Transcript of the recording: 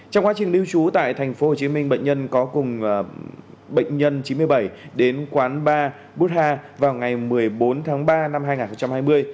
trong quá trình lưu trú tại tp hcm bệnh nhân có cùng bệnh nhân chín mươi bảy đến quán bar butha vào ngày một mươi bốn tháng ba năm hai nghìn hai mươi